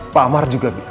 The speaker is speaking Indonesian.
pak amar juga bilang